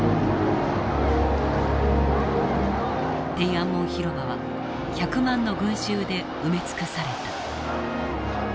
天安門広場は１００万の群衆で埋め尽くされた。